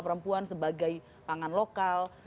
perempuan sebagai pangan lokal